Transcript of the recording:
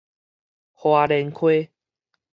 花蓮溪